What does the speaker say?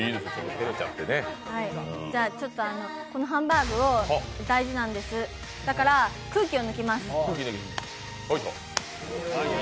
このハンバーグ大事なんです、だから空気を抜きます。